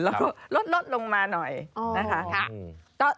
แล้วก็ลดลงมาหน่อยนะคะ